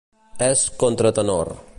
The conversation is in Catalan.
És contratenor.